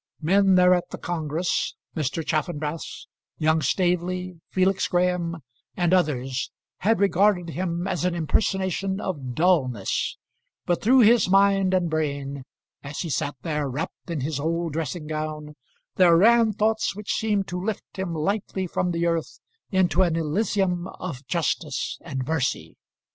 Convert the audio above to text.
Men there at the congress, Mr. Chaffanbrass, young Staveley, Felix Graham, and others, had regarded him as an impersonation of dullness; but through his mind and brain, as he sat there wrapped in his old dressing gown, there ran thoughts which seemed to lift him lightly from the earth into an elysium of justice and mercy.